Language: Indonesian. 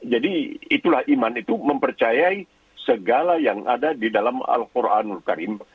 jadi itulah iman itu mempercayai segala yang ada di dalam al quranul karim